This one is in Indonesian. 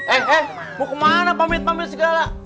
eh om mau kemana pamit pamit segala